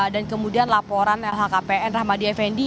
dan kemudian laporan lhkpn rahmadi effendi